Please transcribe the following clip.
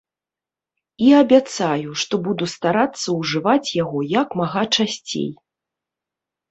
І абяцаю, што буду старацца ўжываць яго як мага часцей.